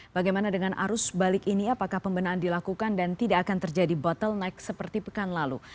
bagaimana dengan arus balik ini apakah pembinaan dilakukan dan tidak akan terjadi bottleneck seperti pekan lalu